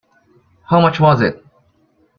How much was it.